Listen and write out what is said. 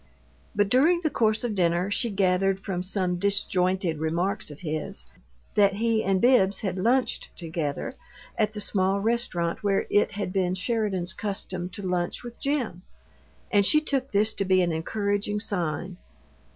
But during the course of dinner she gathered from some disjointed remarks of his that he and Bibbs had lunched together at the small restaurant where it had been Sheridan's custom to lunch with Jim, and she took this to be an encouraging sign.